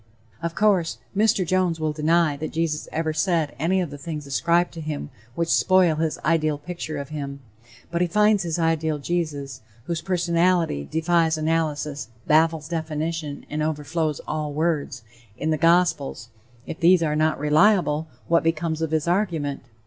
Of course, Mr. Jones will deny that Jesus ever said any of the things ascribed to him which spoil his ideal picture of him. But he finds his ideal Jesus, whose personality "defies analysis, baffles definition and overflows all words," in the gospels; if these are not reliable, what becomes of his argument?